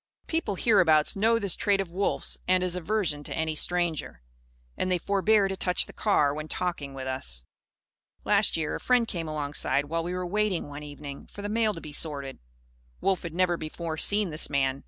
People, hereabouts, know this trait of Wolf's and his aversion to any stranger. And they forbear to touch the car when talking with us. Last year, a friend came alongside, while we were waiting, one evening, for the mail to be sorted. Wolf had never before seen this man.